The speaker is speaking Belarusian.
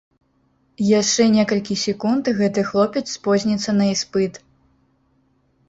Яшчэ некалькі секунд і гэты хлопец спозніцца на іспыт!